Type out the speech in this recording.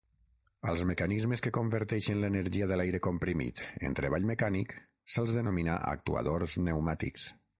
Als mecanismes que converteixen l'energia de l'aire comprimit en treball mecànic se'ls denomina actuadors pneumàtics.